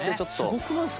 すごくないですか？